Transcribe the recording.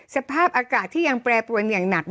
สภาพอากาศที่ยังแปรปรวนอย่างหนัก